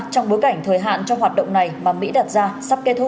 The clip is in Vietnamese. trong bối cảnh thời hạn cho hoạt động này mà mỹ đặt ra sắp kết thúc